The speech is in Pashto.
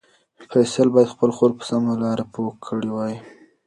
فیصل باید خپله خور په سمه لاره پوه کړې وای.